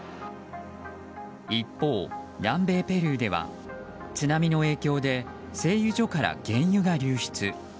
一方、南米ペルーでは津波の影響で製油所から原油が流出。